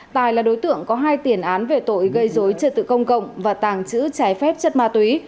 tài là đối tượng có hai tiền án về tội gây dối trật tự công cộng và tàng trữ trái phép chất ma túy